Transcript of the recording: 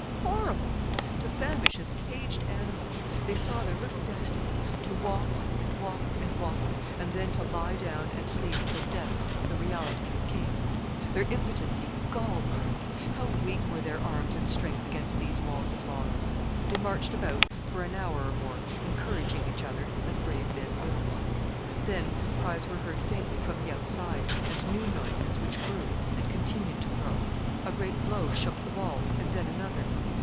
Horrible! To famish as caged animals. They saw their little destiny to walk, and walk, and walk, and then to lie down and sleep till death, the reality, came. Their impotency galled them. How weak were their arms and strength against these walls of logs! They marched about for an hour or more, encouraging each other as brave men will. Then cries were heard faintly from the outside, and new noises, which grew, and continued to grow. A great blow shook the wall, and then another.